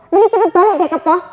menit cepet balik deh ke pos